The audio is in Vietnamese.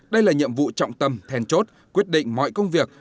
đây là nhiệm vụ trọng tâm thèn chốt quyết định mọi công việc